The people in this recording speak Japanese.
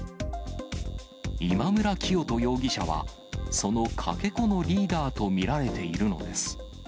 今村磨人容疑者は、そのかけ子のリーダーと見られているのです。